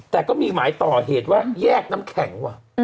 แต่ก็มีหมายต่อเหตุว่าแยกน้ำแข็งว่ะ